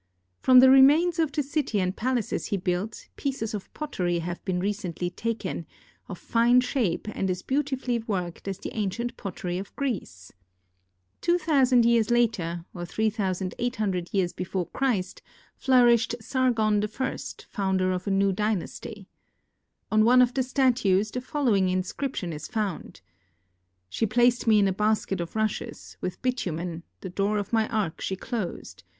From tbe remains of the city and palaces he built, pieces of pottery have been recently taken of fine shape and as beautifully worked as the ancient pottery of Greece. Two thousand years later, or 3,800 years before Christ, flourished Sargon the First, founder of anew dynasty. On one of the statues the following inscription is found: "She placed me in a basket of rushes, with bitumen, the door of my ark she closed.